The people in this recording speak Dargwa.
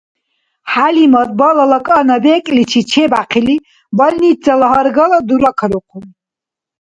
ХӀялимат балала кӀана бекӀличи чебяхъили больницала гьаргала дуракарухъун.